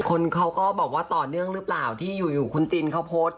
คนเขาก็บอกว่าต่อเนื่องหรือเปล่าที่อยู่คุณตินเขาโพสต์